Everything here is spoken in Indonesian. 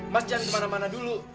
mas jangan kemana mana dulu